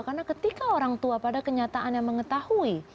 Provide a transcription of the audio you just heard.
karena ketika orang tua pada kenyataan yang mengetahui